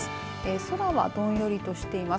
空はどんよりとしています。